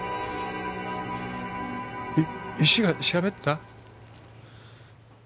えっ石がしゃべった？